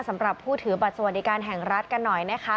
สำหรับผู้ถือบัตรสวัสดิการแห่งรัฐกันหน่อยนะคะ